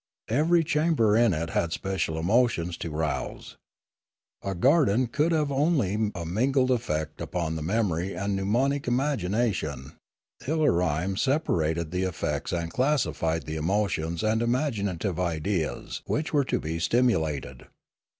Every chamber in it had special emotions to rouse. A garden could have only a mingled effect upon the memory and mnemonic imagination; Ilarime separated the effects and classified the emotions and imaginative ideas which were to be stimulated.